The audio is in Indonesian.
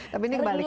tapi ini kebalikan